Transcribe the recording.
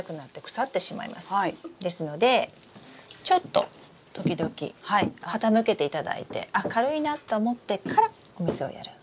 ですのでちょっと時々傾けていただいてあ軽いなと思ってからお水をやる。